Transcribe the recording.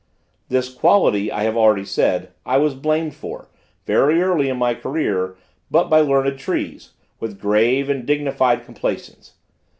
This quality, I have already said, I was blamed for, very early in my career but by learned trees, with grave and dignified complaisance.